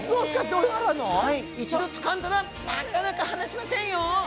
一度つかんだらなかなか離しませんよ！